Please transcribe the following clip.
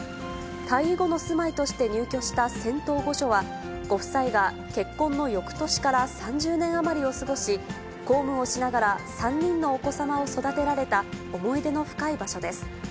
退位後の住まいとして入居した仙洞御所は、ご夫妻が結婚のよくとしから３０ねんあまりをすごし公務をしながら、３人のお子さまを育てられた、思い出の深い場所です。